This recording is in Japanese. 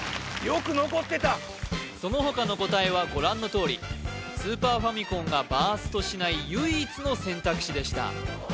よく残ってたその他の答えはご覧のとおりスーパーファミコンがバーストしない唯一の選択肢でした